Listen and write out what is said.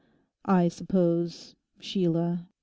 'I suppose—Sheila...